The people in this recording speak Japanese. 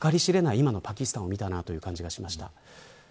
今のパキスタンを見たという感じがしました。